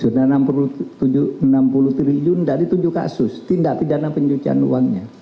sudah enam puluh triliun dari tujuh kasus tindak pidana pencucian uangnya